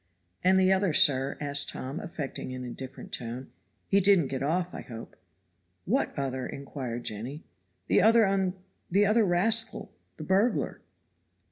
"And the other, sir," asked Tom, affecting an indifferent tone, "he didn't get off, I hope?" "What other?" inquired Jenny. "The other unfor the other rascal the burglar."